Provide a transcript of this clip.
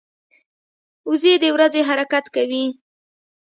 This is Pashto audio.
وزې د ورځي حرکت کوي